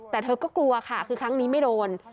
แต่เธอก็กลัวค่ะคือครั้งนี้ไม่โดน